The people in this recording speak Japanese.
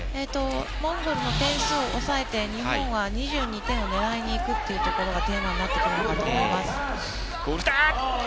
モンゴルの点数を抑えて日本は２２点を狙いに行くというところがテーマになってくるのかと思います。